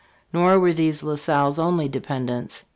Nor were these La Salle's only dependents.